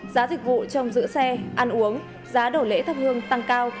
giá dịch vụ trong giữ xe ăn uống giá đồ lễ thắp hương tăng cao